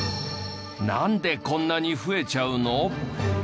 なんでこんなに増えちゃうの？